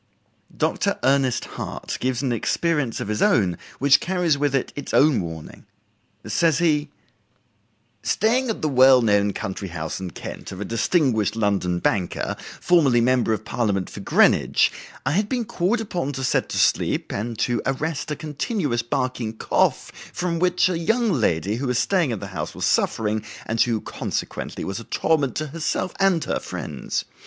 Dr. Ernest Hart gives an experience of his own which carries with it its own warning. Says he: "Staying at the well known country house in Kent of a distinguished London banker, formerly member of Parliament for Greenwich, I had been called upon to set to sleep, and to arrest a continuous barking cough from which a young lady who was staying in the house was suffering, and who, consequently, was a torment to herself and her friends.